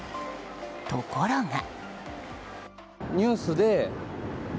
ところが。